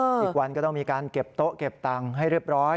อีกวันก็ต้องมีการเก็บโต๊ะเก็บตังค์ให้เรียบร้อย